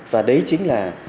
và đấy chính là một vấn đạn